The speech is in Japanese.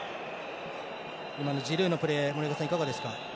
今のジルーのプレー森岡さん、いかがですか？